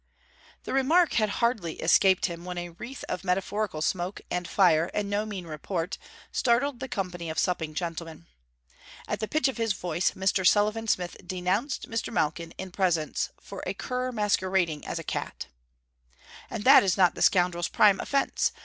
The remark had hardly escaped him when a wreath of metaphorical smoke, and fire, and no mean report, startled the company of supping gentlemen. At the pitch of his voice, Mr. Sullivan Smith denounced Mr. Malkin in presence for a cur masquerading as a cat. 'And that is not the scoundrel's prime offence.